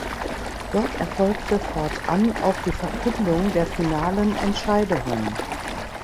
Dort erfolgte fortan auch die Verkündung der finalen Entscheidungen.